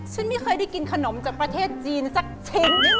ฉันไม่เคยได้กินขนมจากประเทศจีนสักเช่น